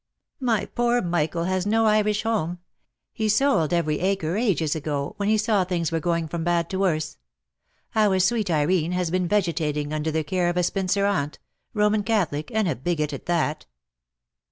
"My poor Michael has no Irish home; he sold every acre ages ago, when he saw things were going from bad to v/orse. Our sweet Irene has been vegetating under the care of a spinster aunt — Roman Catholic — and a bigot at that."